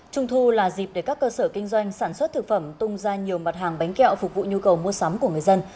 trung thu là dịp để các cơ sở kinh doanh sản xuất thực phẩm tung ra nhiều mặt hàng bánh kẹo phục vụ nhu cầu mua sắm của người dân